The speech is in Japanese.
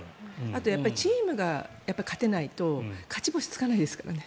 あと、チームがやっぱり勝てないと勝ち星がつかないですからね。